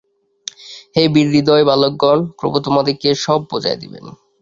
হে বীরহৃদয় বালকগণ! প্রভু তোমাদিগকে সব বুঝাইয়া দিবেন।